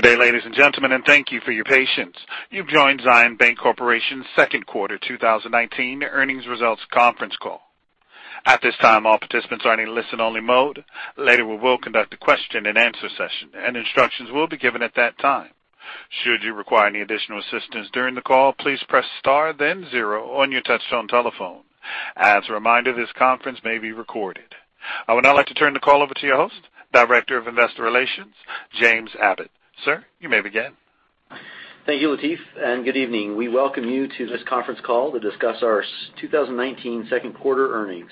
Good day, ladies and gentlemen, and thank you for your patience. You've joined Zions Bancorporation's second quarter 2019 earnings results conference call. At this time, all participants are in a listen-only mode. Later, we will conduct a question and answer session, and instructions will be given at that time. Should you require any additional assistance during the call, please press star then zero on your touchtone telephone. As a reminder, this conference may be recorded. I would now like to turn the call over to your host, Director of Investor Relations, James Abbott. Sir, you may begin. Thank you, Lateef, and good evening. We welcome you to this conference call to discuss our 2019 second quarter earnings.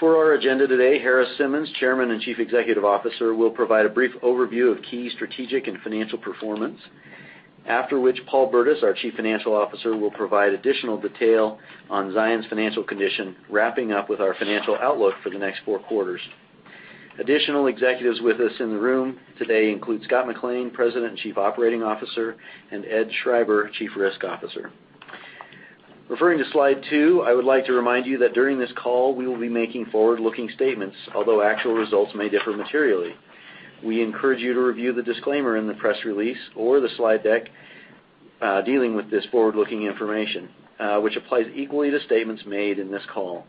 For our agenda today, Harris Simmons, Chairman and Chief Executive Officer, will provide a brief overview of key strategic and financial performance. After which, Paul Burdiss, our Chief Financial Officer, will provide additional detail on Zions' financial condition, wrapping up with our financial outlook for the next four quarters. Additional executives with us in the room today include Scott McLean, President and Chief Operating Officer, and Ed Schreiber, Chief Risk Officer. Referring to slide two, I would like to remind you that during this call, we will be making forward-looking statements, although actual results may differ materially. We encourage you to review the disclaimer in the press release or the slide deck, dealing with this forward-looking information, which applies equally to statements made in this call.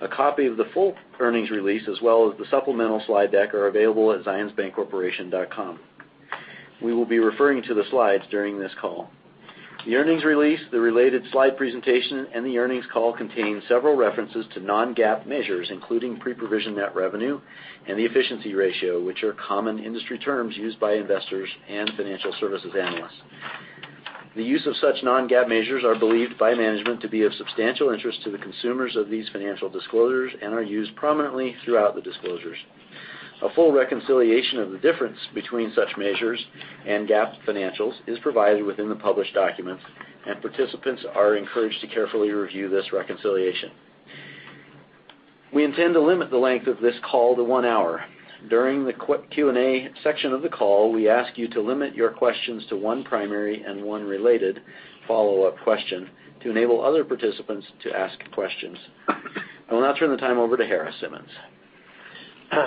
A copy of the full earnings release, as well as the supplemental slide deck, are available at zionsbancorporation.com. We will be referring to the slides during this call. The earnings release, the related slide presentation, and the earnings call contain several references to non-GAAP measures, including pre-provision net revenue and the efficiency ratio, which are common industry terms used by investors and financial services analysts. The use of such non-GAAP measures are believed by management to be of substantial interest to the consumers of these financial disclosures and are used prominently throughout the disclosures. A full reconciliation of the difference between such measures and GAAP financials is provided within the published documents, and participants are encouraged to carefully review this reconciliation. We intend to limit the length of this call to one hour. During the Q&A section of the call, we ask you to limit your questions to one primary and one related follow-up question to enable other participants to ask questions. I will now turn the time over to Harris Simmons.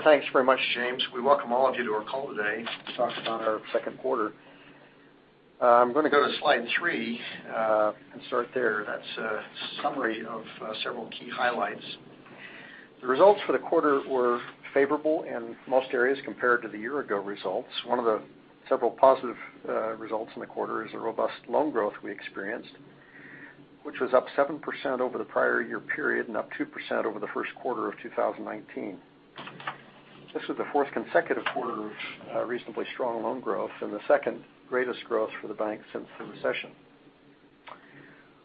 Thanks very much, James. We welcome all of you to our call today to talk about our second quarter. I'm going to go to slide three and start there. That's a summary of several key highlights. The results for the quarter were favorable in most areas compared to the year-ago results. One of the several positive results in the quarter is the robust loan growth we experienced, which was up 7% over the prior year period and up 2% over the first quarter of 2019. This was the fourth consecutive quarter of reasonably strong loan growth and the second greatest growth for the bank since the recession.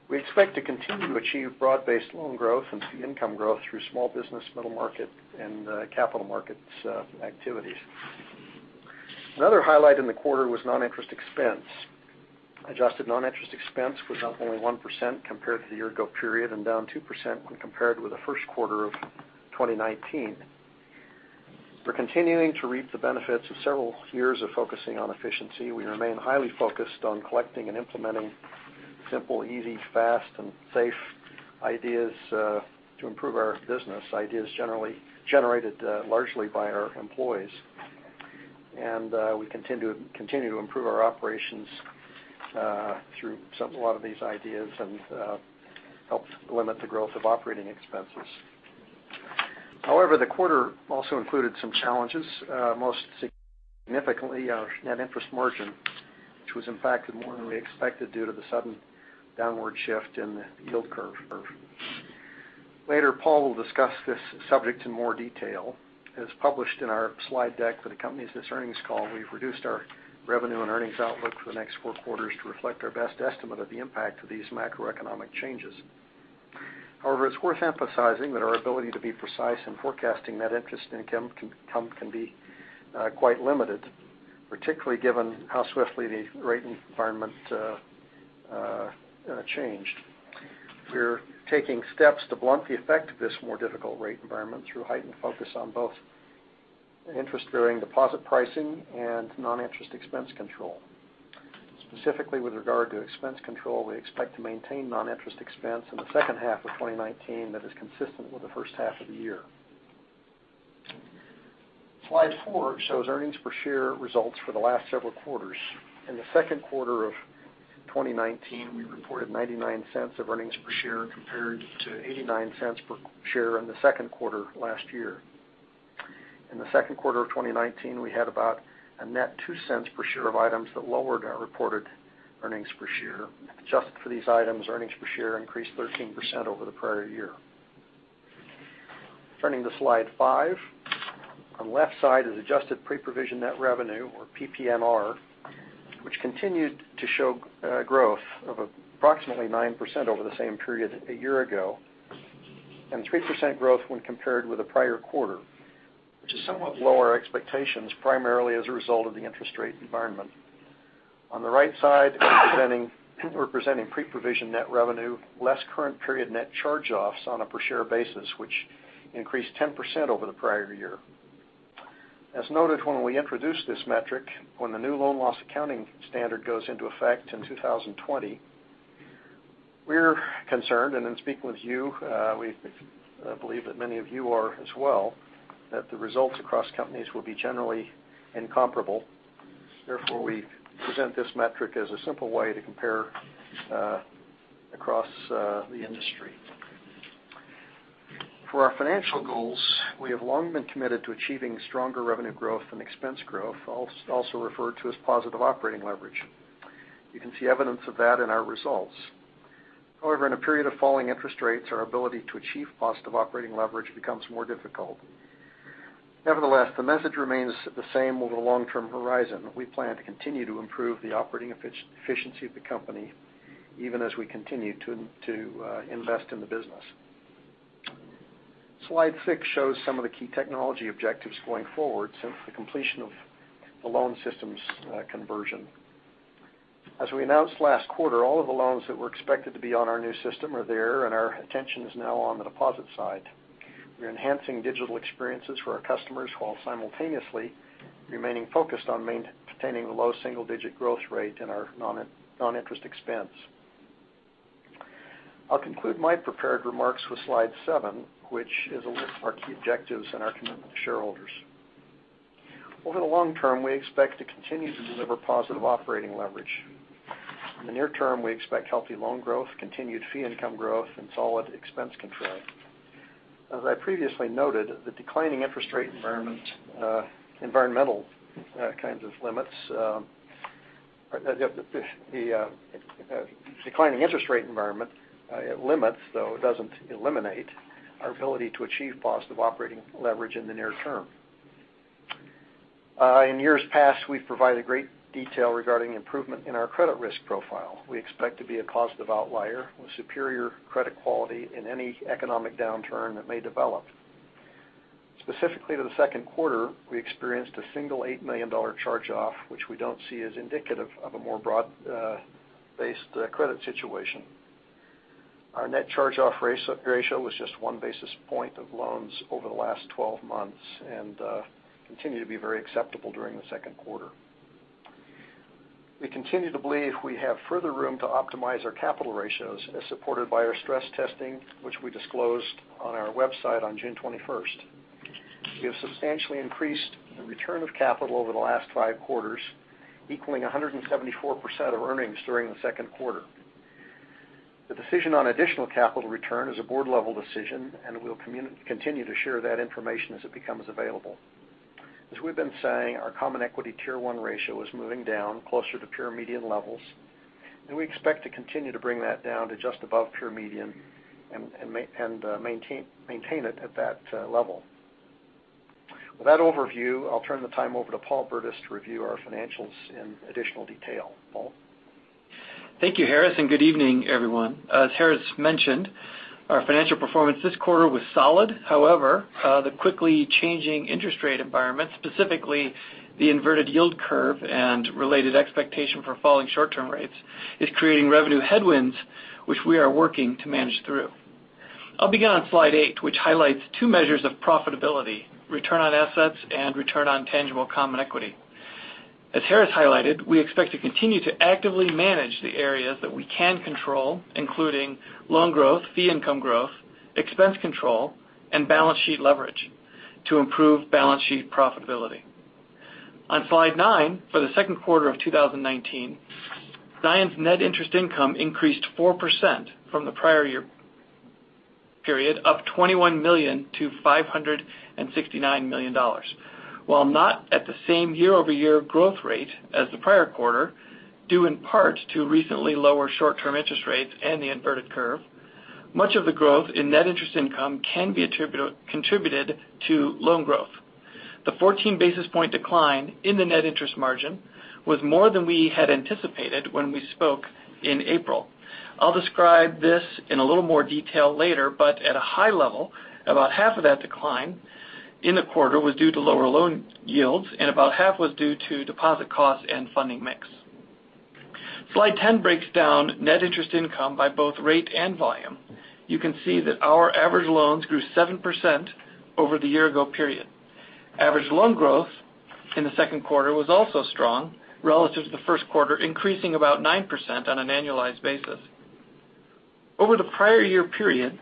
We expect to continue to achieve broad-based loan growth and see income growth through small business, middle market, and capital markets activities. Another highlight in the quarter was non-interest expense. Adjusted non-interest expense was up only 1% compared to the year-ago period and down 2% when compared with the first quarter of 2019. We're continuing to reap the benefits of several years of focusing on efficiency. We remain highly focused on collecting and implementing simple, easy, fast, and safe ideas to improve our business, ideas generated largely by our employees. We continue to improve our operations through a lot of these ideas and help limit the growth of operating expenses. However, the quarter also included some challenges, most significantly our net interest margin, which was impacted more than we expected due to the sudden downward shift in the yield curve. Later, Paul will discuss this subject in more detail. As published in our slide deck for the company's this earnings call, we've reduced our revenue and earnings outlook for the next four quarters to reflect our best estimate of the impact of these macroeconomic changes. However, it's worth emphasizing that our ability to be precise in forecasting net interest income can be quite limited, particularly given how swiftly the rate environment changed. We're taking steps to blunt the effect of this more difficult rate environment through heightened focus on both interest-bearing deposit pricing and non-interest expense control. Specifically, with regard to expense control, we expect to maintain non-interest expense in the second half of 2019 that is consistent with the first half of the year. Slide four shows earnings per share results for the last several quarters. In the second quarter of 2019, we reported $0.99 of earnings per share compared to $0.89 per share in the second quarter last year. In the second quarter of 2019, we had about a net $0.02 per share of items that lowered our reported earnings per share. Adjusted for these items, earnings per share increased 13% over the prior year. Turning to slide five. On the left side is adjusted pre-provision net revenue, or PPNR, which continued to show growth of approximately 9% over the same period a year ago, and 3% growth when compared with the prior quarter, which is somewhat below our expectations, primarily as a result of the interest rate environment. On the right side representing pre-provision net revenue less current period net charge-offs on a per-share basis, which increased 10% over the prior year. As noted when we introduced this metric, when the new non-loss accounting standard goes into effect in 2020. We're concerned, and in speaking with you, we believe that many of you are as well, that the results across companies will be generally incomparable. We present this metric as a simple way to compare across the industry. For our financial goals, we have long been committed to achieving stronger revenue growth and expense growth, also referred to as positive operating leverage. You can see evidence of that in our results. In a period of falling interest rates, our ability to achieve positive operating leverage becomes more difficult. The message remains the same over the long-term horizon. We plan to continue to improve the operating efficiency of the company, even as we continue to invest in the business. Slide six shows some of the key technology objectives going forward since the completion of the loan systems conversion. As we announced last quarter, all of the loans that were expected to be on our new system are there, and our attention is now on the deposit side. We're enhancing digital experiences for our customers while simultaneously remaining focused on maintaining the low single-digit growth rate in our non-interest expense. I'll conclude my prepared remarks with slide seven, which is a list of our key objectives and our commitment to shareholders. Over the long term, we expect to continue to deliver positive operating leverage. In the near term, we expect healthy loan growth, continued fee income growth, and solid expense control. As I previously noted, the declining interest rate environment limits, though it doesn't eliminate, our ability to achieve positive operating leverage in the near term. In years past, we've provided great detail regarding improvement in our credit risk profile. We expect to be a positive outlier with superior credit quality in any economic downturn that may develop. Specifically to the second quarter, we experienced a single $8 million charge-off, which we don't see as indicative of a more broad-based credit situation. Our net charge-off ratio was just 1 basis point of loans over the last 12 months and continued to be very acceptable during the second quarter. We continue to believe we have further room to optimize our capital ratios as supported by our stress testing, which we disclosed on our website on June 21st. We have substantially increased the return of capital over the last five quarters, equaling 174% of earnings during the second quarter. The decision on additional capital return is a board-level decision, and we'll continue to share that information as it becomes available. As we've been saying, our Common Equity Tier 1 ratio is moving down closer to peer median levels, and we expect to continue to bring that down to just above peer median and maintain it at that level. With that overview, I'll turn the time over to Paul Burdiss to review our financials in additional detail. Paul? Thank you, Harris, and good evening, everyone. As Harris mentioned, our financial performance this quarter was solid. The quickly changing interest rate environment, specifically the inverted yield curve and related expectation for falling short-term rates, is creating revenue headwinds, which we are working to manage through. I'll begin on slide eight, which highlights two measures of profitability: return on assets and return on tangible common equity. As Harris highlighted, we expect to continue to actively manage the areas that we can control, including loan growth, fee income growth, expense control, and balance sheet leverage to improve balance sheet profitability. On slide nine, for the second quarter of 2019, Zions' net interest income increased 4% from the prior year period, up $21 million to $569 million. While not at the same year-over-year growth rate as the prior quarter, due in part to recently lower short-term interest rates and the inverted curve, much of the growth in net interest income can be contributed to loan growth. The 14 basis point decline in the net interest margin was more than we had anticipated when we spoke in April. I'll describe this in a little more detail later, at a high level, about half of that decline in the quarter was due to lower loan yields and about half was due to deposit costs and funding mix. Slide 10 breaks down net interest income by both rate and volume. You can see that our average loans grew 7% over the year-ago period. Average loan growth in the second quarter was also strong relative to the first quarter, increasing about 9% on an annualized basis. Over the prior year period,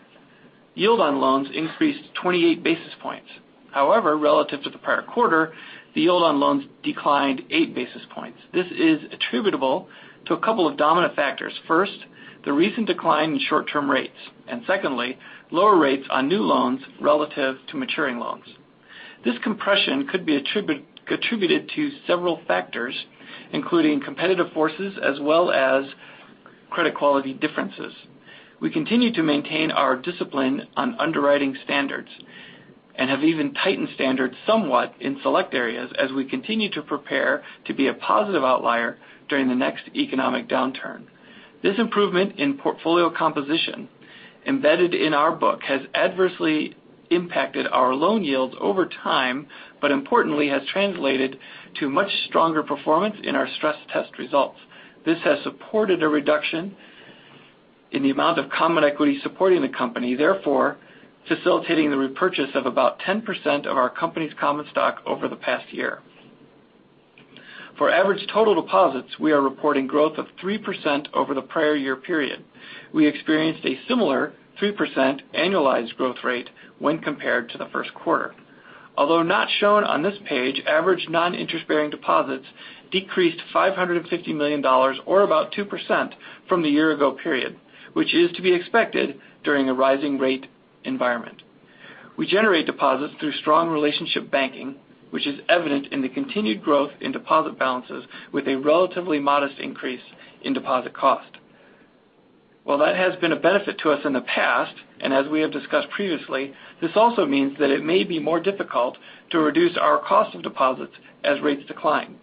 yield on loans increased 28 basis points. However, relative to the prior quarter, the yield on loans declined 8 basis points. This is attributable to a couple of dominant factors. First, the recent decline in short-term rates, and secondly, lower rates on new loans relative to maturing loans. This compression could be attributed to several factors, including competitive forces as well as credit quality differences. We continue to maintain our discipline on underwriting standards and have even tightened standards somewhat in select areas as we continue to prepare to be a positive outlier during the next economic downturn. This improvement in portfolio composition embedded in our book has adversely impacted our loan yields over time, but importantly, has translated to much stronger performance in our stress test results. This has supported a reduction in the amount of common equity supporting the company, therefore facilitating the repurchase of about 10% of our company's common stock over the past year. For average total deposits, we are reporting growth of 3% over the prior year period. We experienced a similar 3% annualized growth rate when compared to the first quarter. Although not shown on this page, average non-interest-bearing deposits decreased $550 million, or about 2% from the year ago period, which is to be expected during a rising rate environment. We generate deposits through strong relationship banking, which is evident in the continued growth in deposit balances with a relatively modest increase in deposit cost. While that has been a benefit to us in the past, as we have discussed previously, this also means that it may be more difficult to reduce our cost of deposits as rates decline.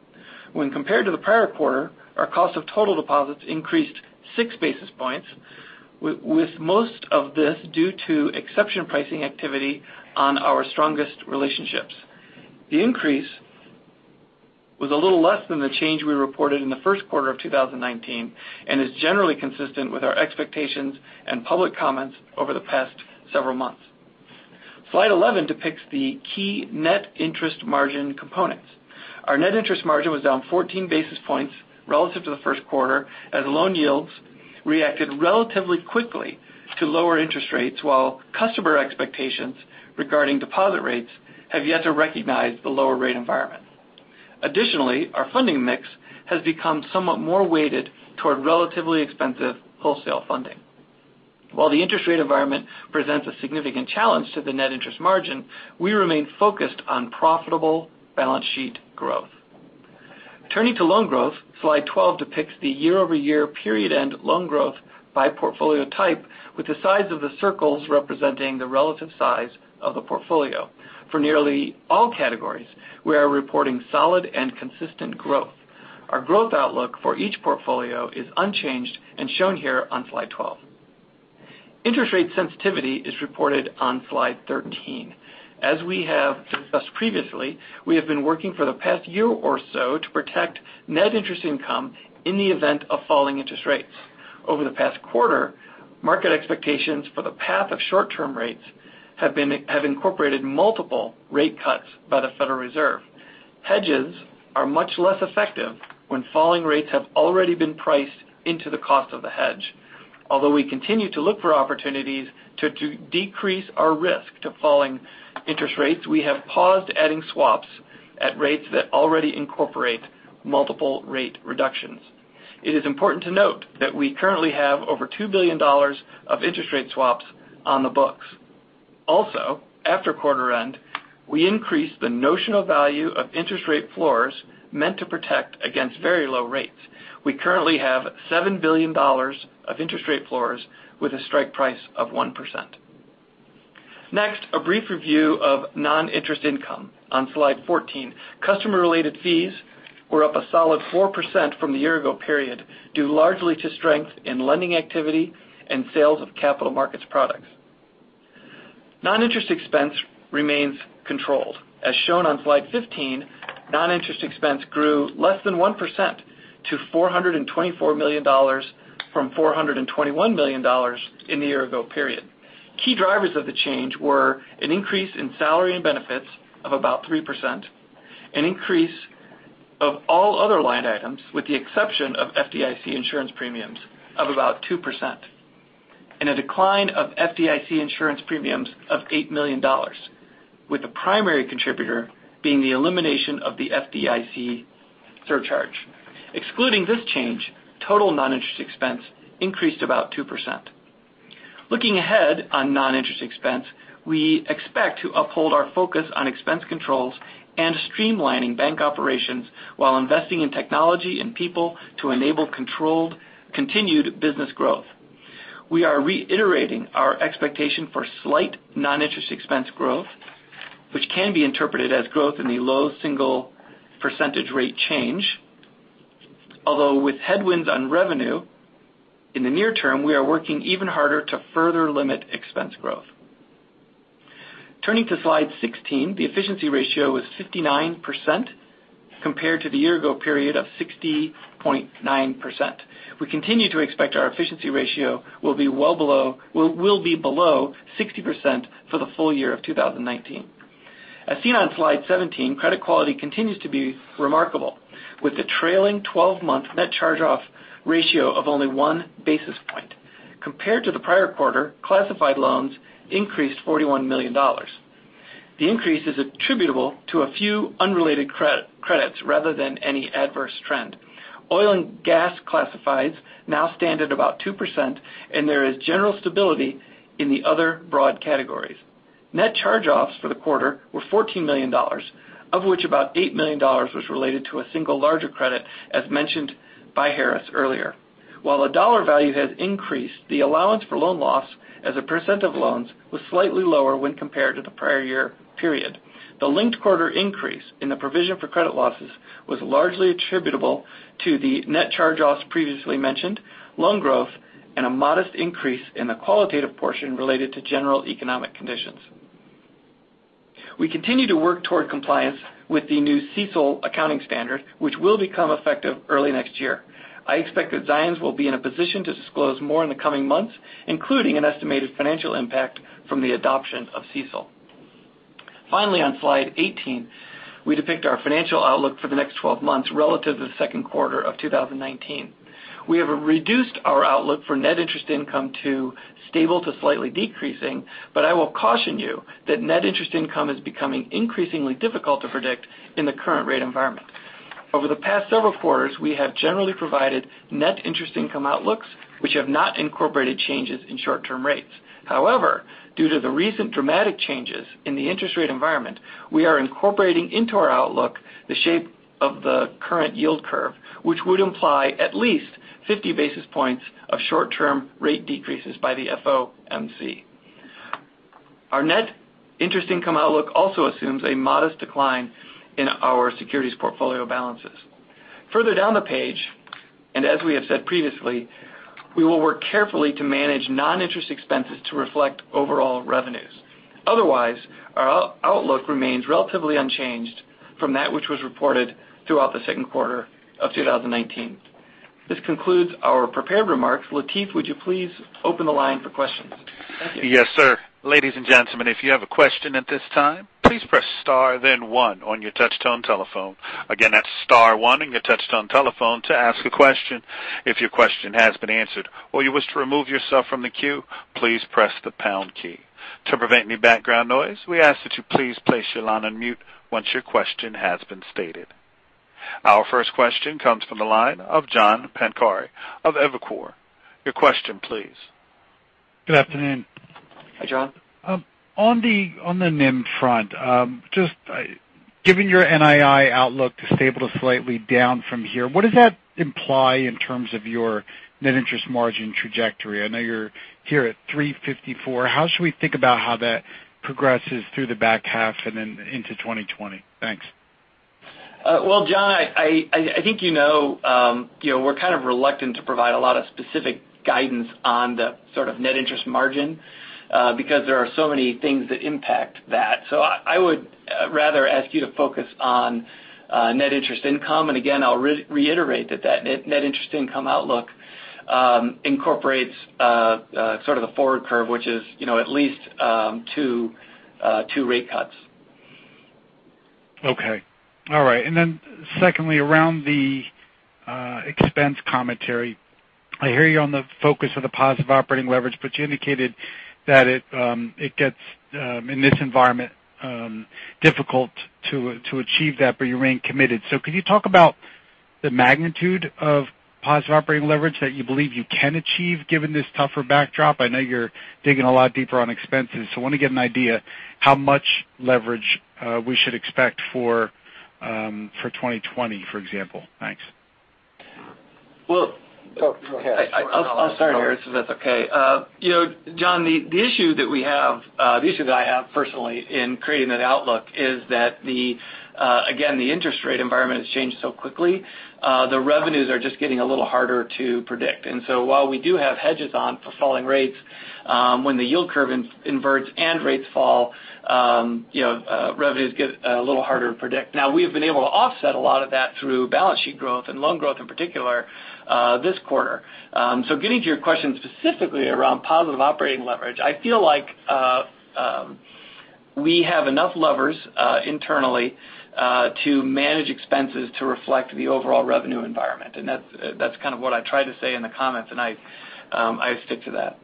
When compared to the prior quarter, our cost of total deposits increased 6 basis points, with most of this due to exception pricing activity on our strongest relationships. The increase was a little less than the change we reported in the first quarter of 2019 and is generally consistent with our expectations and public comments over the past several months. Slide 11 depicts the key net interest margin components. Our net interest margin was down 14 basis points relative to the first quarter as loan yields reacted relatively quickly to lower interest rates while customer expectations regarding deposit rates have yet to recognize the lower rate environment. Additionally, our funding mix has become somewhat more weighted toward relatively expensive wholesale funding. While the interest rate environment presents a significant challenge to the net interest margin, we remain focused on profitable balance sheet growth. Turning to loan growth, slide 12 depicts the year-over-year period end loan growth by portfolio type with the size of the circles representing the relative size of the portfolio. For nearly all categories, we are reporting solid and consistent growth. Our growth outlook for each portfolio is unchanged and shown here on slide 12. Interest rate sensitivity is reported on slide 13. As we have discussed previously, we have been working for the past year or so to protect net interest income in the event of falling interest rates. Over the past quarter, market expectations for the path of short-term rates have incorporated multiple rate cuts by the Federal Reserve. Hedges are much less effective when falling rates have already been priced into the cost of the hedge. Although we continue to look for opportunities to decrease our risk to falling interest rates, we have paused adding swaps at rates that already incorporate multiple rate reductions. It is important to note that we currently have over $2 billion of interest rate swaps on the books. After quarter end, we increased the notional value of interest rate floors meant to protect against very low rates. We currently have $7 billion of interest rate floors with a strike price of 1%. A brief review of non-interest income on slide 14. Customer-related fees were up a solid 4% from the year-ago period, due largely to strength in lending activity and sales of capital markets products. Non-interest expense remains controlled. As shown on slide 15, non-interest expense grew less than 1% to $424 million from $421 million in the year-ago period. Key drivers of the change were an increase in salary and benefits of about 3%, an increase of all other line items, with the exception of FDIC insurance premiums of about 2%, and a decline of FDIC insurance premiums of $8 million with the primary contributor being the elimination of the FDIC surcharge. Excluding this change, total non-interest expense increased about 2%. Looking ahead on non-interest expense, we expect to uphold our focus on expense controls and streamlining bank operations while investing in technology and people to enable controlled continued business growth. We are reiterating our expectation for slight non-interest expense growth, which can be interpreted as growth in the low single percentage rate change. With headwinds on revenue, in the near term, we are working even harder to further limit expense growth. Turning to slide 16, the efficiency ratio is 59% compared to the year ago period of 60.9%. We continue to expect our efficiency ratio will be below 60% for the full year of 2019. As seen on slide 17, credit quality continues to be remarkable with the trailing 12-month net charge-off ratio of only 1 basis point. Compared to the prior quarter, classified loans increased $41 million. The increase is attributable to a few unrelated credits rather than any adverse trend. Oil and gas classifieds now stand at about 2%, and there is general stability in the other broad categories. Net charge-offs for the quarter were $14 million, of which about $8 million was related to a single larger credit, as mentioned by Harris earlier. While the dollar value has increased, the allowance for loan losses as a % of loans was slightly lower when compared to the prior year period. The linked quarter increase in the provision for credit losses was largely attributable to the net charge-offs previously mentioned, loan growth, and a modest increase in the qualitative portion related to general economic conditions. We continue to work toward compliance with the new CECL accounting standard, which will become effective early next year. I expect that Zions will be in a position to disclose more in the coming months, including an estimated financial impact from the adoption of CECL. Finally, on Slide 18, we depict our financial outlook for the next 12 months relative to the second quarter of 2019. We have reduced our outlook for net interest income to stable to slightly decreasing, I will caution you that net interest income is becoming increasingly difficult to predict in the current rate environment. Over the past several quarters, we have generally provided net interest income outlooks, which have not incorporated changes in short-term rates. However, due to the recent dramatic changes in the interest rate environment, we are incorporating into our outlook the shape of the current yield curve, which would imply at least 50 basis points of short-term rate decreases by the FOMC. Our net interest income outlook also assumes a modest decline in our securities portfolio balances. Further down the page, and as we have said previously, we will work carefully to manage non-interest expenses to reflect overall revenues. Otherwise, our outlook remains relatively unchanged from that which was reported throughout the second quarter of 2019. This concludes our prepared remarks. Lateef, would you please open the line for questions? Thank you. Yes, sir. Ladies and gentlemen, if you have a question at this time, please press star then one on your touch-tone telephone. Again, that's star one on your touch-tone telephone to ask a question. If your question has been answered or you wish to remove yourself from the queue, please press the pound key. To prevent any background noise, we ask that you please place your line on mute once your question has been stated. Our first question comes from the line of John Pancari of Evercore. Your question please. Good afternoon. Hi, John. On the NIM front, just given your NII outlook to stable to slightly down from here, what does that imply in terms of your net interest margin trajectory? I know you're here at 354. How should we think about how that progresses through the back half and then into 2020? Thanks. Well, John, I think you know we're kind of reluctant to provide a lot of specific guidance on the net interest margin because there are so many things that impact that. I would rather ask you to focus on net interest income. Again, I'll reiterate that net interest income outlook incorporates the forward curve, which is at least two rate cuts. Okay. All right. Secondly, around the expense commentary. I hear you on the focus of the positive operating leverage, but you indicated that it gets, in this environment, difficult to achieve that, but you remain committed. Could you talk about the magnitude of positive operating leverage that you believe you can achieve given this tougher backdrop? I know you're digging a lot deeper on expenses, I want to get an idea how much leverage we should expect for 2020, for example. Thanks. Well. Go ahead. I'll start here if that's okay. John, the issue that I have personally in creating that outlook is that, again, the interest rate environment has changed so quickly. The revenues are just getting a little harder to predict. While we do have hedges on for falling rates, when the yield curve inverts and rates fall, revenues get a little harder to predict. We have been able to offset a lot of that through balance sheet growth and loan growth in particular, this quarter. Getting to your question specifically around positive operating leverage, I feel like we have enough levers internally, to manage expenses to reflect the overall revenue environment. That's kind of what I tried to say in the comments, and I stick to that.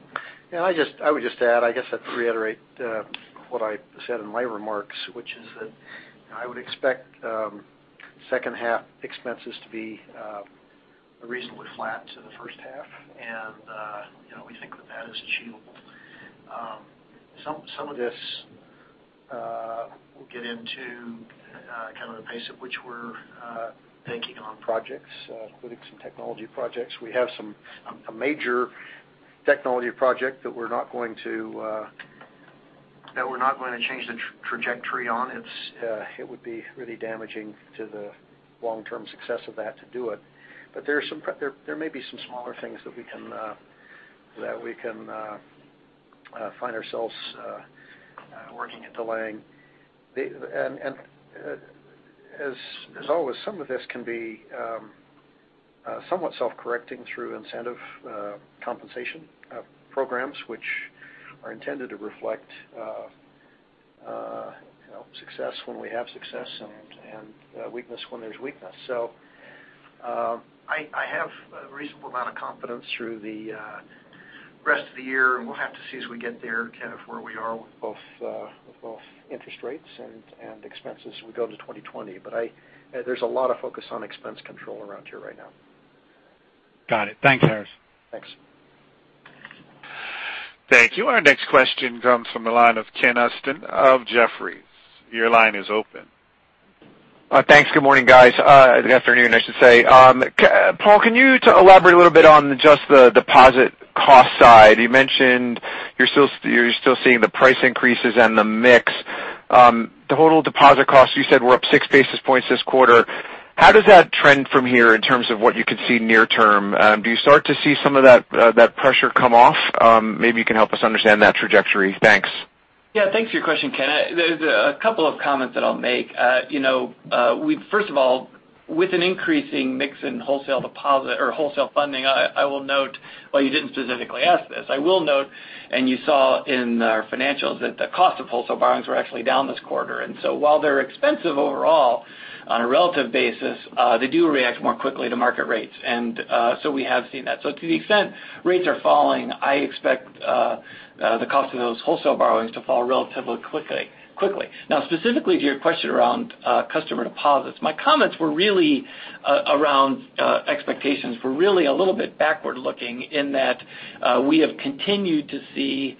I would just add, I guess, or reiterate what I said in my remarks, which is that I would expect second half expenses to be reasonably flat to the first half. We think that is achievable. Some of this will get into the pace at which we're taking on projects, including some technology projects. We have a major technology project that we're not going to change the trajectory on. It would be really damaging to the long-term success of that to do it. There may be some smaller things that we can find ourselves working at delaying. As always, some of this can be somewhat self-correcting through incentive compensation programs, which are intended to reflect success when we have success and weakness when there's weakness. I have a reasonable amount of confidence through the rest of the year, and we'll have to see as we get there where we are with both interest rates and expenses as we go to 2020. There's a lot of focus on expense control around here right now. Got it. Thanks, Harris. Thanks. Thank you. Our next question comes from the line of Ken Usdin of Jefferies. Your line is open. Thanks. Good morning, guys. Afternoon, I should say. Paul, can you elaborate a little bit on just the deposit cost side? You mentioned you're still seeing the price increases and the mix. Total deposit costs, you said were up 6 basis points this quarter. How does that trend from here in terms of what you can see near term? Do you start to see some of that pressure come off? Maybe you can help us understand that trajectory. Thanks. Yeah. Thanks for your question, Ken. There's a couple of comments that I'll make. First of all, with an increasing mix in wholesale deposit or wholesale funding, I will note, while you didn't specifically ask this, I will note, and you saw in our financials that the cost of wholesale borrowings were actually down this quarter. While they're expensive overall, on a relative basis, they do react more quickly to market rates. We have seen that. To the extent rates are falling, I expect the cost of those wholesale borrowings to fall relatively quickly. Now, specifically to your question around customer deposits, my comments were really around expectations. They were really a little bit backward-looking in that we have continued to see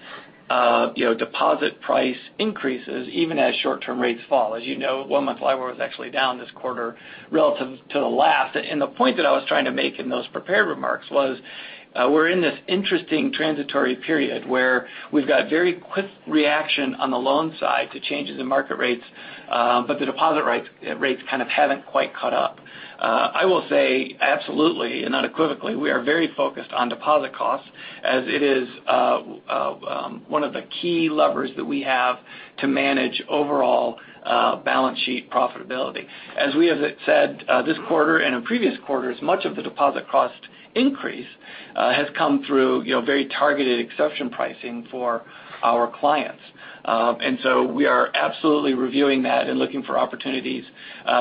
deposit price increases even as short-term rates fall. As you know, one-month LIBOR was actually down this quarter relative to the last. The point that I was trying to make in those prepared remarks was, we're in this interesting transitory period where we've got very quick reaction on the loan side to changes in market rates, but the deposit rates kind of haven't quite caught up. I will say absolutely and unequivocally, we are very focused on deposit costs as it is one of the key levers that we have to manage overall balance sheet profitability. As we have said this quarter and in previous quarters, much of the deposit cost increase has come through very targeted exception pricing for our clients. We are absolutely reviewing that and looking for opportunities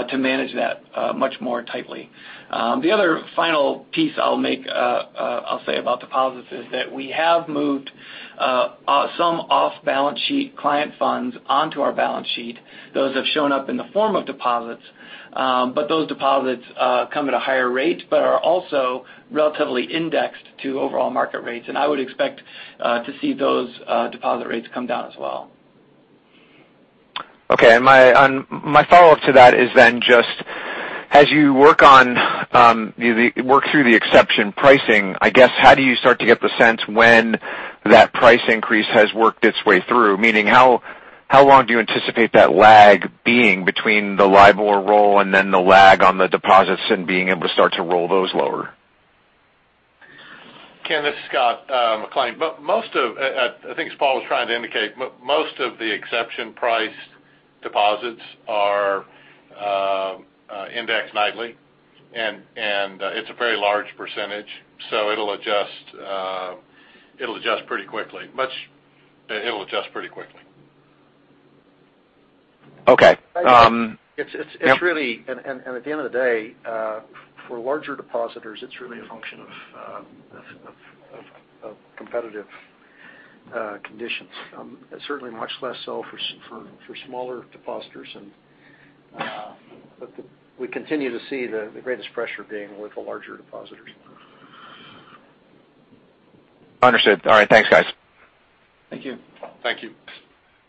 to manage that much more tightly. The other final piece I'll say about deposits is that we have moved some off-balance sheet client funds onto our balance sheet. Those have shown up in the form of deposits, but those deposits come at a higher rate, but are also relatively indexed to overall market rates. I would expect to see those deposit rates come down as well. Okay. My follow-up to that is then just as you work through the exception pricing, I guess, how do you start to get the sense when that price increase has worked its way through? Meaning, how long do you anticipate that lag being between the LIBOR roll and then the lag on the deposits and being able to start to roll those lower? Ken, this is Scott McLean. I think as Paul was trying to indicate, most of the exception priced deposits are indexed nightly, and it's a very large percentage, so it'll adjust pretty quickly. Okay. At the end of the day, for larger depositors, it's really a function of competitive conditions. Certainly much less so for smaller depositors. We continue to see the greatest pressure being with the larger depositors. Understood. All right. Thanks, guys. Thank you. Thank you.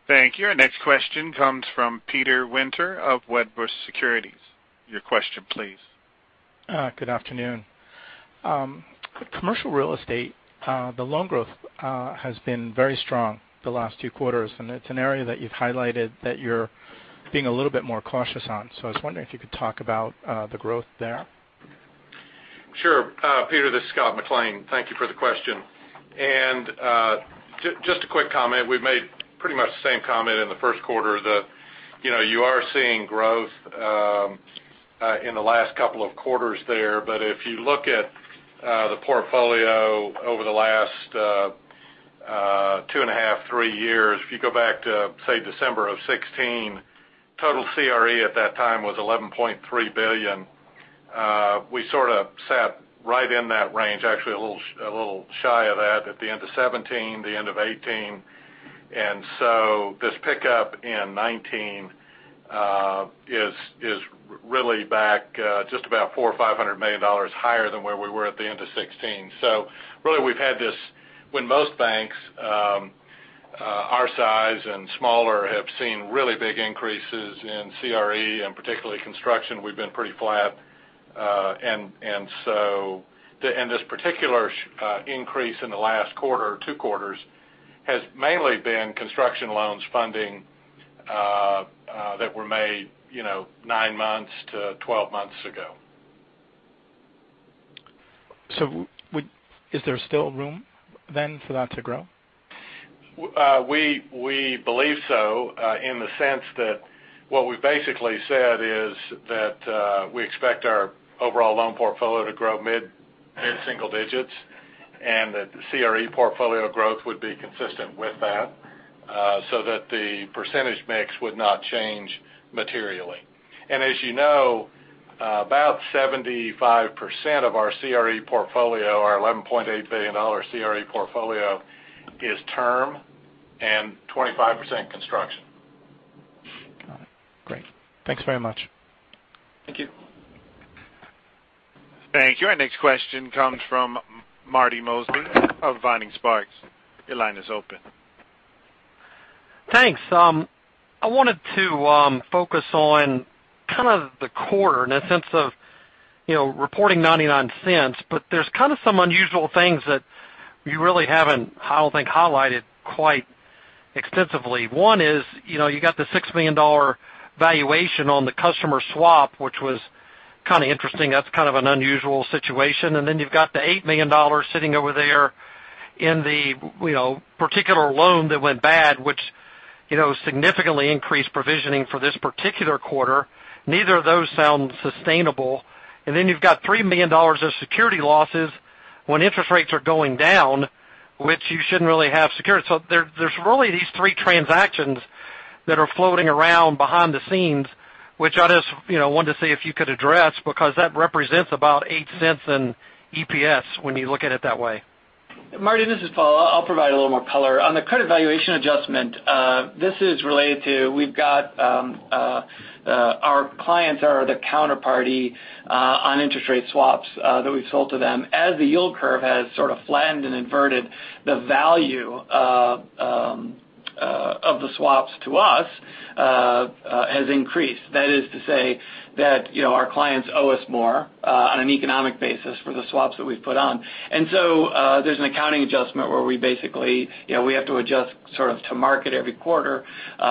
Thank you. Our next question comes from Peter Winter of Wedbush Securities. Your question, please. Good afternoon. Commercial real estate, the loan growth has been very strong the last two quarters, and it's an area that you've highlighted that you're being a little bit more cautious on. I was wondering if you could talk about the growth there. Sure. Peter, this is Scott McLean. Thank you for the question. Just a quick comment. We've made pretty much the same comment in the first quarter that you are seeing growth in the last couple of quarters there. If you look at the portfolio over the last two and a half, three years. If you go back to, say, December of 2016, total CRE at that time was $11.3 billion. We sort of sat right in that range, actually a little shy of that at the end of 2017, the end of 2018. This pickup in 2019 is really back just about $400 million or $500 million higher than where we were at the end of 2016. Really we've had this when most banks our size and smaller have seen really big increases in CRE and particularly construction, we've been pretty flat. This particular increase in the last quarter or two quarters has mainly been construction loans funding that were made nine months to 12 months ago. Is there still room then for that to grow? We believe so in the sense that what we basically said is that we expect our overall loan portfolio to grow mid-single digits, and that the CRE portfolio growth would be consistent with that, so that the percentage mix would not change materially. As you know, about 75% of our CRE portfolio, our $11.8 billion CRE portfolio, is term and 25% construction. Got it. Great. Thanks very much. Thank you. Thank you. Our next question comes from Marty Mosby of Vining Sparks. Your line is open. Thanks. I wanted to focus on kind of the quarter in a sense of reporting $0.99. There's kind of some unusual things that you really haven't, I don't think, highlighted quite extensively. One is you got the $6 million valuation on the customer swap, which was kind of interesting. That's kind of an unusual situation. You've got the $8 million sitting over there in the particular loan that went bad, which significantly increased provisioning for this particular quarter, neither of those sound sustainable. You've got $3 million of security losses when interest rates are going down, which you shouldn't really have security. There's really these three transactions that are floating around behind the scenes, which I just wanted to see if you could address, because that represents about $0.08 in EPS when you look at it that way. Marty, this is Paul. I'll provide a little more color. On the credit valuation adjustment, this is related to, we've got our clients are the counterparty on interest rate swaps that we've sold to them. As the yield curve has sort of flattened and inverted, the value of the swaps to us has increased. That is to say that our clients owe us more on an economic basis for the swaps that we've put on. There's an accounting adjustment where we basically have to adjust to market every quarter that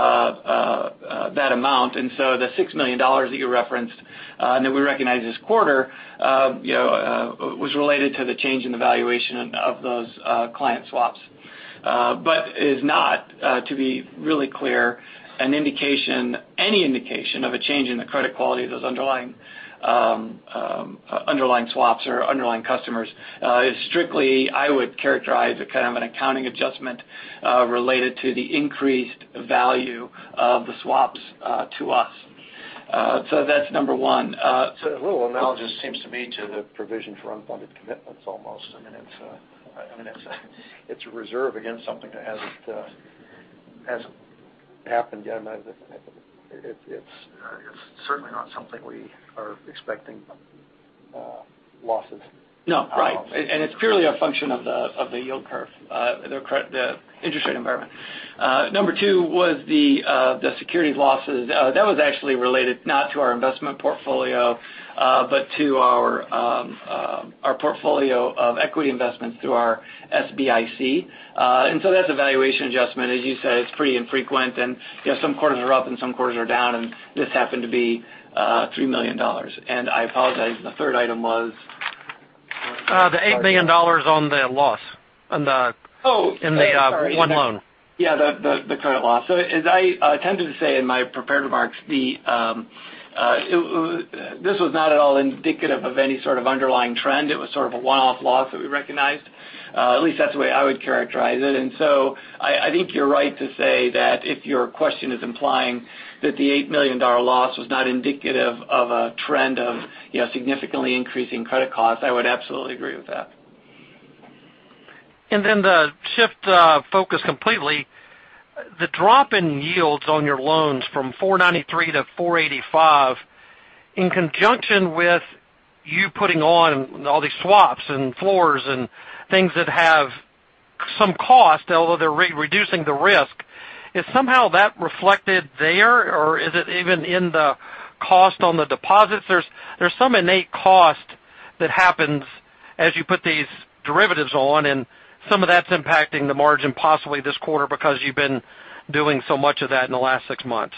amount. The $6 million that you referenced that we recognized this quarter was related to the change in the valuation of those client swaps. Is not, to be really clear, any indication of a change in the credit quality of those underlying swaps or underlying customers. It's strictly, I would characterize, a kind of an accounting adjustment related to the increased value of the swaps to us. That's number one. It's a little analogous, seems to me, to the provision for unfunded commitments almost. I mean, it's a reserve against something that hasn't happened yet. It's certainly not something we are expecting losses. No, right. It's purely a function of the yield curve, the interest rate environment. Number two was the securities losses. That was actually related not to our investment portfolio, but to our portfolio of equity investments through our SBIC. That's a valuation adjustment. As you said, it's pretty infrequent and some quarters are up and some quarters are down, and this happened to be $3 million. I apologize, the third item was? The $8 million on the loss. Oh. Yeah, the credit loss. As I attempted to say in my prepared remarks, this was not at all indicative of any sort of underlying trend. It was sort of a one-off loss that we recognized. At least that's the way I would characterize it. I think you're right to say that if your question is implying that the $8 million loss was not indicative of a trend of significantly increasing credit costs, I would absolutely agree with that. To shift focus completely, the drop in yields on your loans from 493 to 485, in conjunction with you putting on all these swaps and floors and things that have some cost, although they're reducing the risk. Is somehow that reflected there, or is it even in the cost on the deposits? There's some innate cost that happens as you put these derivatives on, and some of that's impacting the margin possibly this quarter because you've been doing so much of that in the last six months.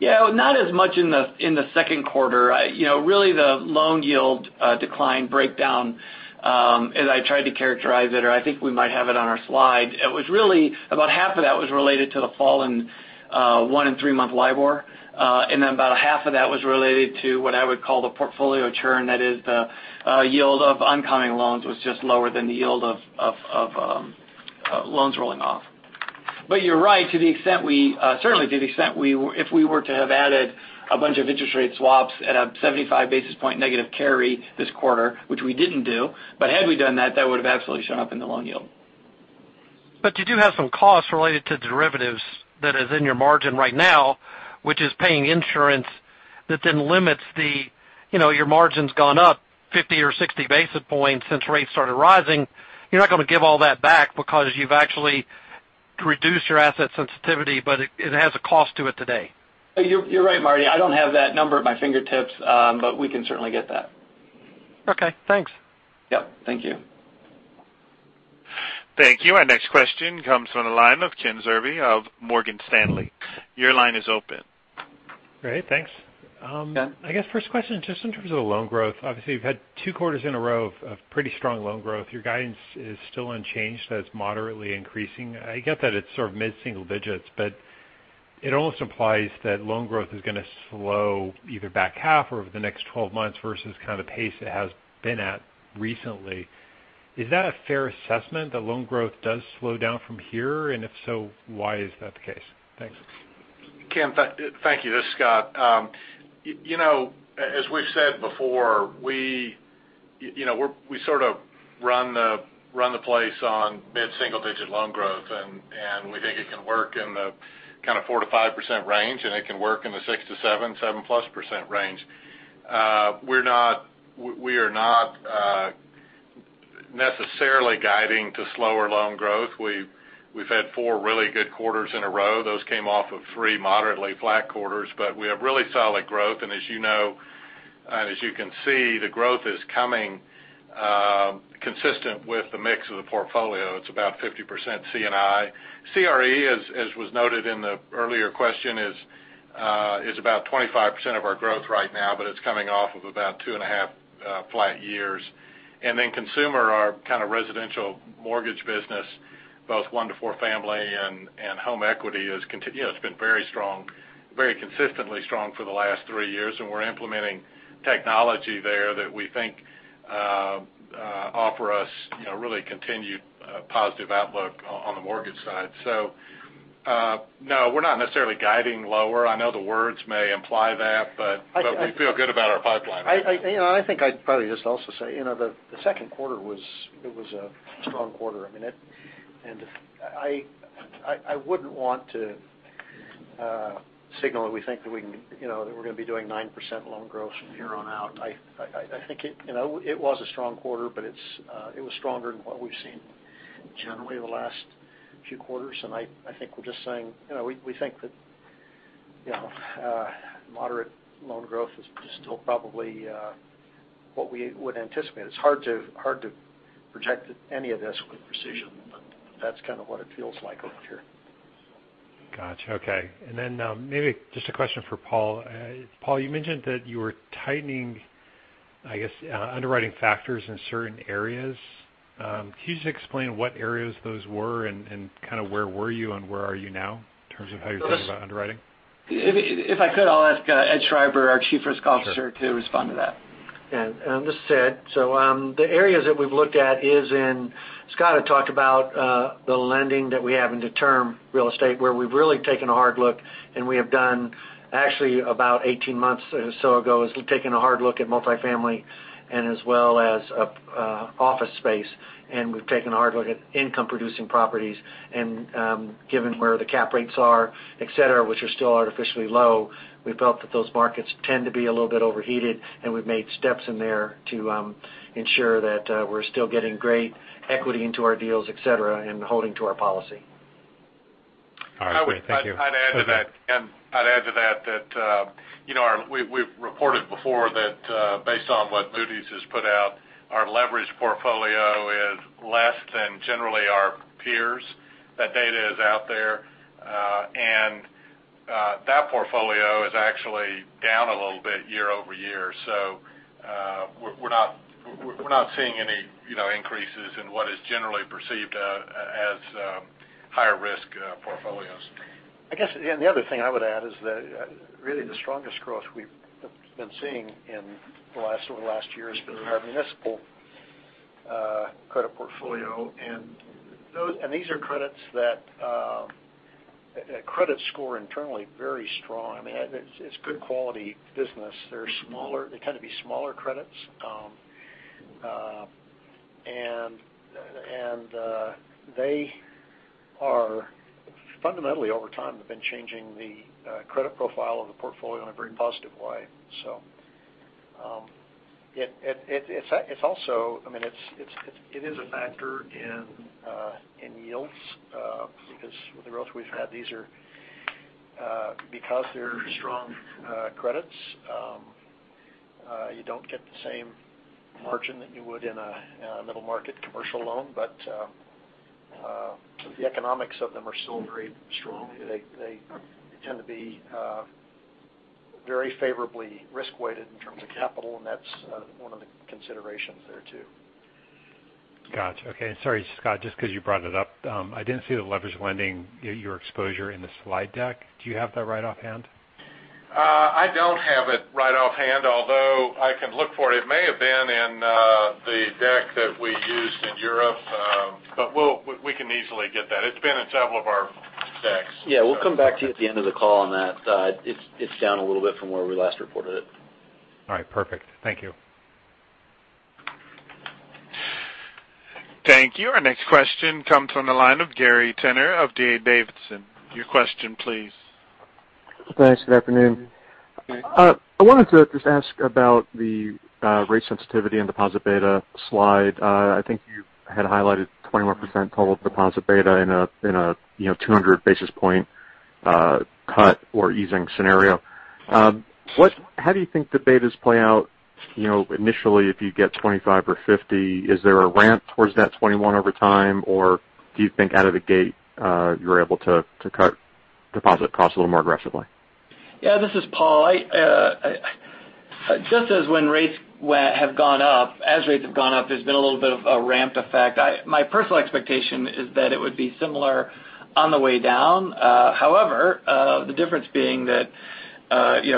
Yeah, not as much in the second quarter. The loan yield decline breakdown, as I tried to characterize it, or I think we might have it on our slide, it was really about half of that was related to the fall in one and three-month LIBOR. About a half of that was related to what I would call the portfolio churn, that is the yield of oncoming loans was just lower than the yield of loans rolling off. You're right, certainly to the extent if we were to have added a bunch of interest rate swaps at a 75 basis point negative carry this quarter, which we didn't do, but had we done that would have absolutely shown up in the loan yield. You do have some costs related to derivatives that is in your margin right now, which is paying insurance that then your margin's gone up 50 or 60 basis points since rates started rising. You're not going to give all that back because you've actually reduced your asset sensitivity, but it has a cost to it today. You're right, Marty. I don't have that number at my fingertips, but we can certainly get that. Okay, thanks. Yep. Thank you. Thank you. Our next question comes from the line of Ken Zerbe of Morgan Stanley. Your line is open. Great. Thanks. Yeah. I guess first question, just in terms of the loan growth. Obviously, you've had two quarters in a row of pretty strong loan growth. Your guidance is still unchanged, so it's moderately increasing. I get that it's sort of mid-single digits, but it almost implies that loan growth is going to slow either back-half or over the next 12 months versus kind of the pace it has been at recently. Is that a fair assessment, the loan growth does slow down from here? If so, why is that the case? Thanks. Ken, thank you. This is Scott. As we've said before, we sort of run the place on mid-single digit loan growth. We think it can work in the kind of 4%-5% range. It can work in the 6%-7%, 7%+ range. We are not necessarily guiding to slower loan growth. We've had four really good quarters in a row. Those came off of three moderately flat quarters. We have really solid growth. As you can see, the growth is coming consistent with the mix of the portfolio. It's about 50% C&I. CRE, as was noted in the earlier question, is about 25% of our growth right now. It's coming off of about two and a half flat years. Consumer, our kind of residential mortgage business, both one to four family and home equity has been very strong, very consistently strong for the last three years, and we're implementing technology there that we think offer us really continued positive outlook on the mortgage side. No, we're not necessarily guiding lower. I know the words may imply that, but we feel good about our pipeline. I think I'd probably just also say, the second quarter was a strong quarter. I wouldn't want to signal that we think that we're going to be doing 9% loan growth from here on out. I think it was a strong quarter, but it was stronger than what we've seen generally the last few quarters. I think we're just saying, we think that moderate loan growth is still probably what we would anticipate. It's hard to project any of this with precision, but that's kind of what it feels like over here. Got you. Okay. Then maybe just a question for Paul. Paul, you mentioned that you were tightening, I guess, underwriting factors in certain areas. Can you just explain what areas those were and kind of where were you and where are you now in terms of how you're thinking about underwriting? If I could, I'll ask Ed Schreiber, our Chief Risk Officer, to respond to that. Yeah. This is Ed. The areas that we've looked at is in, Scott had talked about the lending that we have into term real estate, where we've really taken a hard look, and we have done actually about 18 months or so ago, is taken a hard look at multifamily and as well as office space, and we've taken a hard look at income-producing properties. Given where the cap rates are, et cetera, which are still artificially low, we felt that those markets tend to be a little bit overheated, and we've made steps in there to ensure that we're still getting great equity into our deals, et cetera, and holding to our policy. All right, great. Thank you. I'd add to that, Ken, that we've reported before that based on what Moody's has put out, our leverage portfolio is less than generally our peers. That data is out there. That portfolio is actually down a little bit year-over-year. We're not seeing any increases in what is generally perceived as higher-risk portfolios. I guess the other thing I would add is that really the strongest growth we've been seeing in the last year has been our municipal credit portfolio. These are credits that credit score internally very strong. It's good quality business. They tend to be smaller credits. They are fundamentally, over time, have been changing the credit profile of the portfolio in a very positive way. It is a factor in yields because with the growth we've had, because they're strong credits you don't get the same margin that you would in a middle market commercial loan, but the economics of them are still very strong. They tend to be very favorably risk-weighted in terms of capital, and that's one of the considerations there, too. Got you. Okay. Sorry, Scott, just because you brought it up. I didn't see the leverage lending your exposure in the slide deck. Do you have that right offhand? I don't have it right offhand, although I can look for it. It may have been in the deck that we used in Europe. We can easily get that. It's been in several of our decks. Yeah, we'll come back to you at the end of the call on that. It's down a little bit from where we last reported it. All right. Perfect. Thank you. Thank you. Our next question comes from the line of Gary Tenner of D.A. Davidson. Your question, please. Thanks. Good afternoon. I wanted to just ask about the rate sensitivity and deposit beta slide. I think you had highlighted 21% total deposit beta in a 200 basis point cut or easing scenario. How do you think the betas play out initially if you get 25 or 50? Is there a ramp towards that 21 over time, or do you think out of the gate you're able to cut deposit costs a little more aggressively? Yeah, this is Paul. Just as when rates have gone up, there's been a little bit of a ramped effect. My personal expectation is that it would be similar on the way down. The difference being that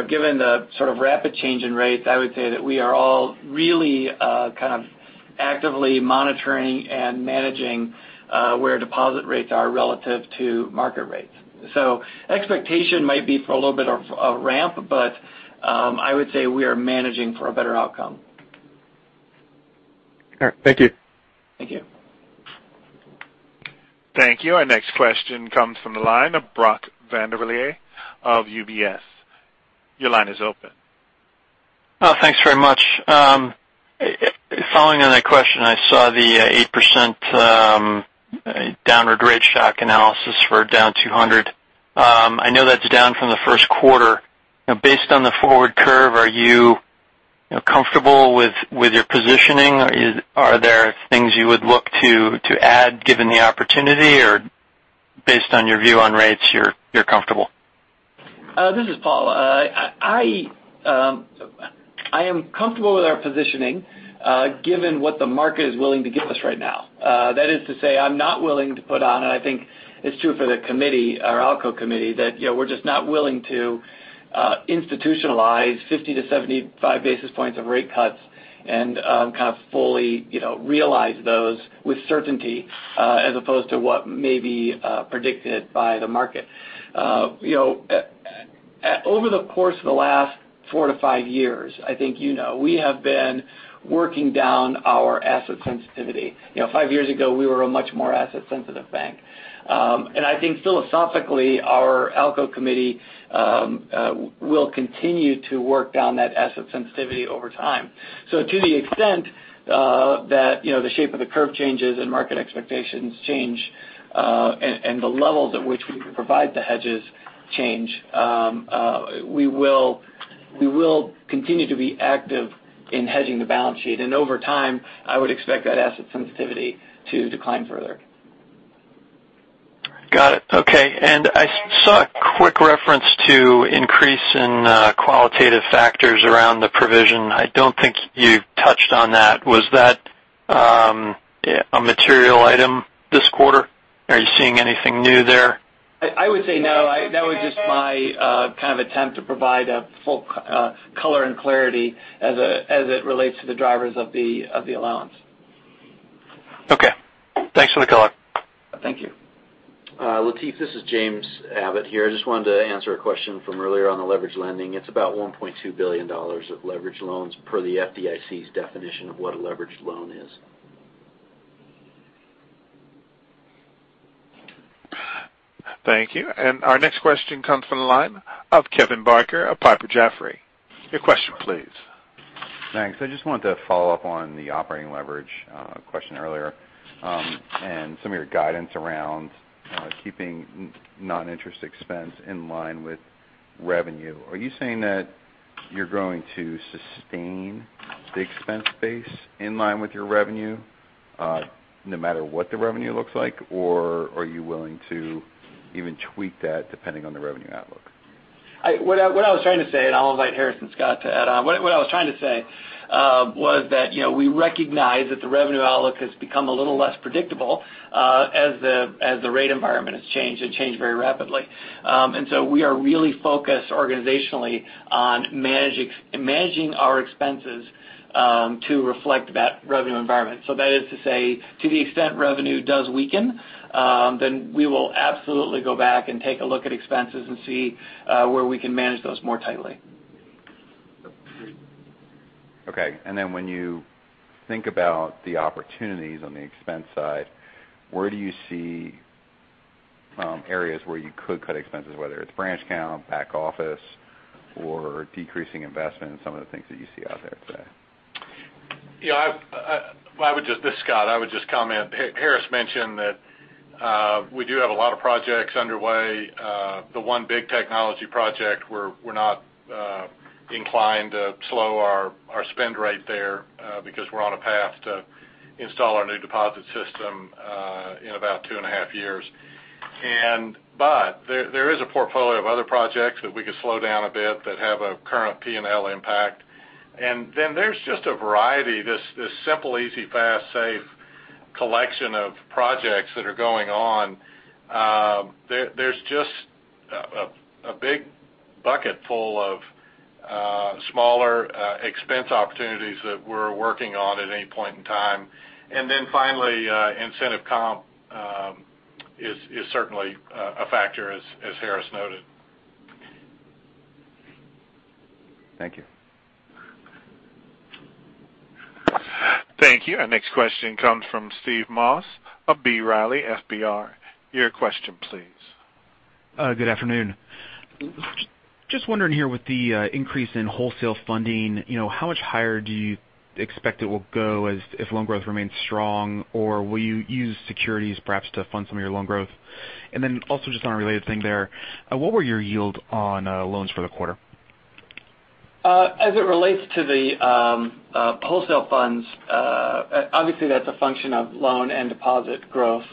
given the sort of rapid change in rates, I would say that we are all really kind of actively monitoring and managing where deposit rates are relative to market rates. Expectation might be for a little bit of a ramp, but I would say we are managing for a better outcome. All right. Thank you. Thank you. Thank you. Our next question comes from the line of Brock Vandervliet of UBS. Your line is open. Thanks very much. Following on that question, I saw the 8%. A downward rate shock analysis for down 200. I know that's down from the first quarter. Based on the forward curve, are you comfortable with your positioning? Are there things you would look to add given the opportunity? Based on your view on rates, you're comfortable? This is Paul. I am comfortable with our positioning given what the market is willing to give us right now. That is to say, I'm not willing to put on, I think it's true for the committee, our ALCO committee, that we're just not willing to institutionalize 50 basis points-75 basis points of rate cuts and kind of fully realize those with certainty as opposed to what may be predicted by the market. Over the course of the last four to five years, I think you know, we have been working down our asset sensitivity. Five years ago, we were a much more asset-sensitive bank. I think philosophically, our ALCO committee will continue to work down that asset sensitivity over time. To the extent that the shape of the curve changes and market expectations change, and the levels at which we can provide the hedges change, we will continue to be active in hedging the balance sheet. Over time, I would expect that asset sensitivity to decline further. Got it. Okay. I saw a quick reference to increase in qualitative factors around the provision. I don't think you touched on that. Was that a material item this quarter? Are you seeing anything new there? I would say no. That was just my kind of attempt to provide a full color and clarity as it relates to the drivers of the allowance. Okay. Thanks for the color. Thank you. Lateef, this is James Abbott here. I just wanted to answer a question from earlier on the leverage lending. It's about $1.2 billion of leverage loans per the FDIC's definition of what a leverage loan is. Thank you. Our next question comes from the line of Kevin Barker of Piper Jaffray. Your question please. Thanks. I just wanted to follow up on the operating leverage question earlier, and some of your guidance around keeping non-interest expense in line with revenue. Are you saying that you're going to sustain the expense base in line with your revenue no matter what the revenue looks like? Are you willing to even tweak that depending on the revenue outlook? What I was trying to say, and I'll invite Harris and Scott to add on. What I was trying to say was that we recognize that the revenue outlook has become a little less predictable as the rate environment has changed and changed very rapidly. We are really focused organizationally on managing our expenses to reflect that revenue environment. That is to say, to the extent revenue does weaken, then we will absolutely go back and take a look at expenses and see where we can manage those more tightly. Okay. Then when you think about the opportunities on the expense side, where do you see areas where you could cut expenses, whether it's branch count, back office, or decreasing investment in some of the things that you see out there today? This is Scott. I would just comment. Harris mentioned that we do have a lot of projects underway. The one big technology project, we're not inclined to slow our spend rate there because we're on a path to install our new deposit system in about two and a half years. There is a portfolio of other projects that we could slow down a bit that have a current P&L impact. There's just a variety, this simple, easy, fast, safe collection of projects that are going on. There's just a big bucket full of smaller expense opportunities that we're working on at any point in time. Finally, incentive comp is certainly a factor, as Harris noted. Thank you. Thank you. Our next question comes from Steve Moss of B. Riley FBR. Your question please. Good afternoon. Just wondering here with the increase in wholesale funding, how much higher do you expect it will go as if loan growth remains strong? Will you use securities perhaps to fund some of your loan growth? Also just on a related thing there, what were your yield on loans for the quarter? As it relates to the wholesale funds, obviously that's a function of loan and deposit growth.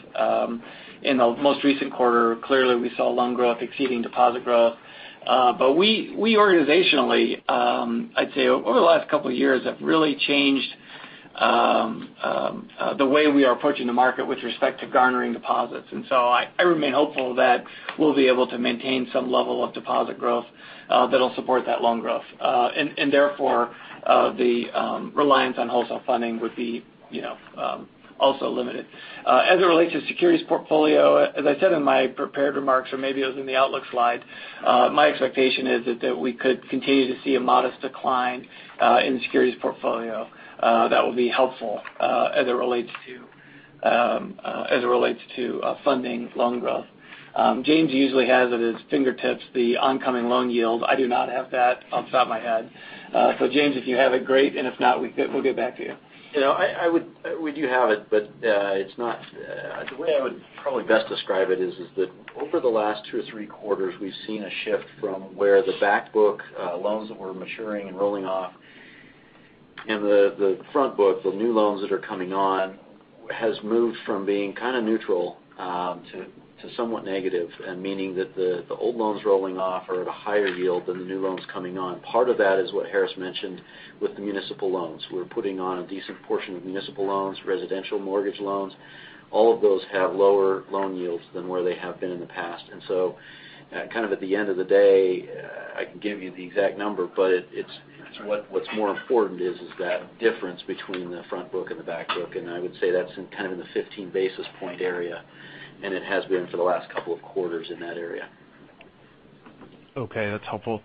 In the most recent quarter, clearly we saw loan growth exceeding deposit growth. We organizationally, I'd say over the last couple of years, have really changed the way we are approaching the market with respect to garnering deposits. I remain hopeful that we'll be able to maintain some level of deposit growth that'll support that loan growth. Therefore, the reliance on wholesale funding would be also limited. As it relates to securities portfolio, as I said in my prepared remarks, or maybe it was in the outlook slide, my expectation is that we could continue to see a modest decline in the securities portfolio that will be helpful as it relates to funding loan growth. James usually has at his fingertips the oncoming loan yield. I do not have that off the top of my head. James, if you have it, great. If not, we'll get back to you. We do have it, but the way I would probably best describe it is that over the last two or three quarters, we've seen a shift from where the back book loans that were maturing and rolling off, and the front book, the new loans that are coming on, has moved from being kind of neutral to somewhat negative, meaning that the old loans rolling off are at a higher yield than the new loans coming on. Part of that is what Harris mentioned with the municipal loans. We're putting on a decent portion of municipal loans, residential mortgage loans. All of those have lower loan yields than where they have been in the past. Kind of at the end of the day, I can give you the exact number, but what's more important is that difference between the front book and the back book. I would say that's kind of in the 15 basis point area, and it has been for the last couple of quarters in that area. Okay, that's helpful.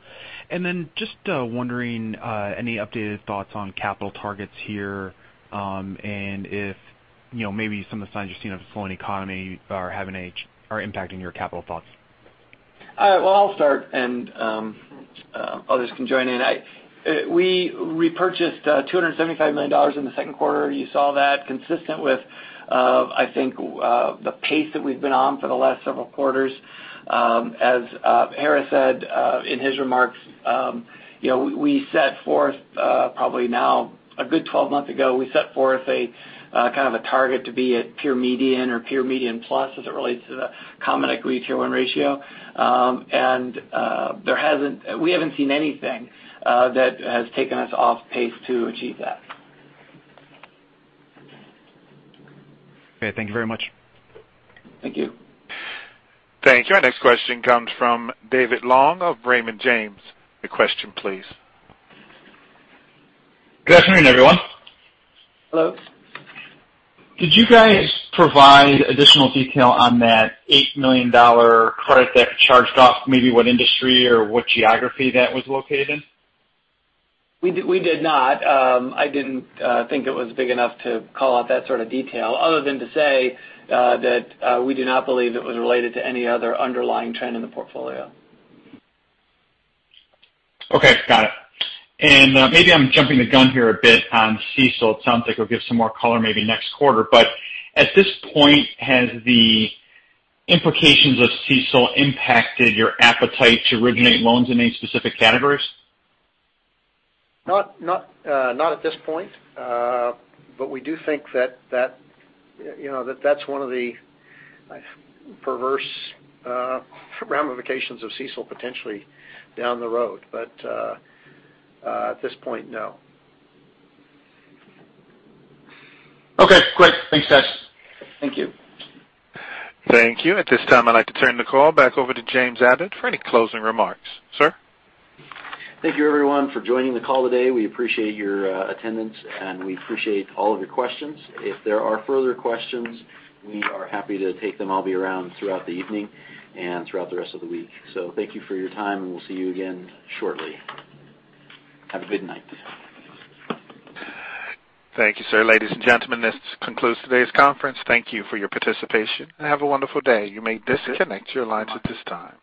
Just wondering, any updated thoughts on capital targets here, and if maybe some of the signs you're seeing of a slowing economy are impacting your capital thoughts? Well, I'll start and others can join in. We repurchased $275 million in the second quarter. You saw that. Consistent with, I think, the pace that we've been on for the last several quarters. As Harris said in his remarks, probably now a good 12 months ago, we set forth a kind of a target to be at pure median or pure median plus as it relates to the Common Equity Tier 1 ratio. We haven't seen anything that has taken us off pace to achieve that. Okay. Thank you very much. Thank you. Thank you. Our next question comes from David Long of Raymond James. The question please. Good afternoon, everyone. Hello. Could you guys provide additional detail on that $8 million credit that charged off, maybe what industry or what geography that was located? We did not. I didn't think it was big enough to call out that sort of detail, other than to say that we do not believe it was related to any other underlying trend in the portfolio. Okay. Got it. Maybe I'm jumping the gun here a bit on CECL. It sounds like we'll get some more color maybe next quarter. At this point, has the implications of CECL impacted your appetite to originate loans in any specific categories? Not at this point. We do think that that's one of the perverse ramifications of CECL potentially down the road. At this point, no. Okay, great. Thanks, guys. Thank you. Thank you. At this time, I'd like to turn the call back over to James Abbott for any closing remarks. Sir. Thank you everyone for joining the call today. We appreciate your attendance, and we appreciate all of your questions. If there are further questions, we are happy to take them. I'll be around throughout the evening and throughout the rest of the week. Thank you for your time, and we'll see you again shortly. Have a good night. Thank you, sir. Ladies and gentlemen, this concludes today's conference. Thank you for your participation and have a wonderful day. You may disconnect your lines at this time.